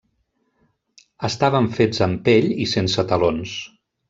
Estaven fets amb pell i sense talons.